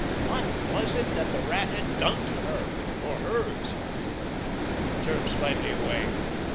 What was it that the Rat had done to her, or hers? He turned slightly away.